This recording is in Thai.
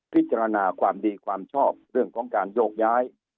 พิจารณาความดีความชอบเรื่องของการโยกย้าย